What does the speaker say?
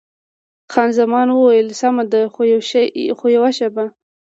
خان زمان وویل: سمه ده، خو یوه شېبه.